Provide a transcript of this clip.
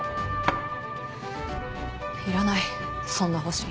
いらないそんな保身。